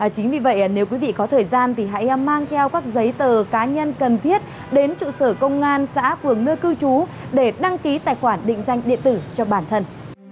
chính vì vậy nếu quý vị có thời gian thì hãy mang theo các giấy tờ cá nhân cần thiết đến trụ sở công an xã phường nơi cư trú để đăng ký tài khoản định danh điện tử cho bản thân